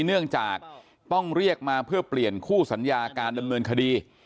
เนื่องจากต้องเรียกมาเพื่อเปลี่ยนคู่สัญญาการดำเนินคดี